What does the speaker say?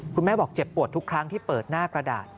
คุณแม่บอกเจ็บปวดทุกครั้งที่เปิดหน้ากระดาษ